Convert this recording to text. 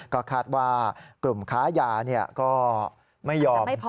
ก็คาดว่ากลุ่มค้ายาก็ไม่ยอม